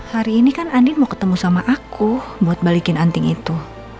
hari ini kan andi mau ketemu sama aku buat balikin anting itu